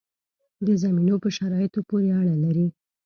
د زمینو په شرایطو پورې اړه لري.